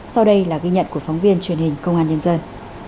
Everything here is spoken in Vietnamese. sau đây là ghi nhận của phóng viên truyền hình công an nhân dân